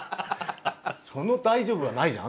「その大丈夫はないじゃん」。